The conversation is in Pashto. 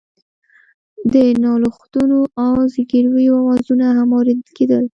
د نالښتونو او زګيرويو آوازونه هم اورېدل کېدل.